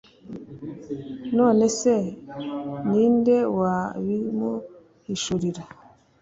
none se ni nde wabimuhishurira